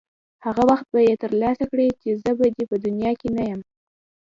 هغه وخت یې ترلاسه کړې چې زه به په دې دنیا کې نه یم.